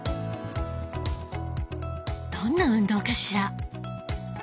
どんな運動かしら？